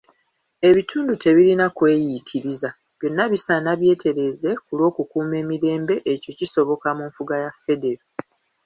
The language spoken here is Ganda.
Ebitundu tebirina kweyiikiriza, byonna bisaana byetereeze ku lw'okukuuma emirembe ekyo kisoboka mu nfuga eya federo.